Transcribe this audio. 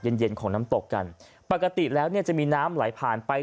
เย็นเย็นของน้ำตกกันปกติแล้วเนี่ยจะมีน้ำไหลผ่านไป